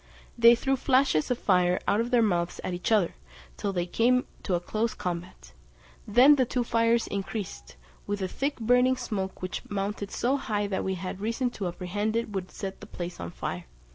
They threw flashes of fire out of their mouths at each other, till they came to close combat; then the two fires increased, with a thick burning smoke which mounted so high that we had reason to apprehend it would set the palace on fire.